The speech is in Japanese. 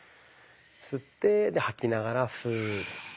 吸ってで吐きながらフーッ。